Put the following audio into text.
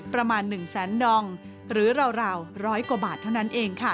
ประมาณ๑แสนดองหรือราว๑๐๐กว่าบาทเท่านั้นเองค่ะ